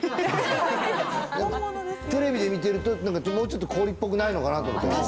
テレビで見てるとなんかもうちょっと氷っぽくないのかなと思ったけど。